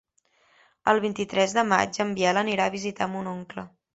El vint-i-tres de maig en Biel anirà a visitar mon oncle.